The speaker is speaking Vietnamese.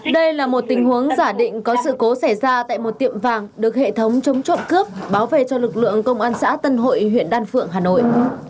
đây là một tình huống giả định có sự cố xảy ra tại một tiệm vàng được hệ thống chống trộm cướp bảo về cho lực lượng công an xã tân hội huyện đan phượng hà nội